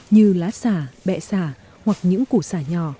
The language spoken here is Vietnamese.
như lá xả bẹ xả hoặc những củ xả nhỏ